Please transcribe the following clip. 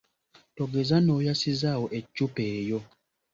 Togeza n’oyasizaawo eccupa eyo.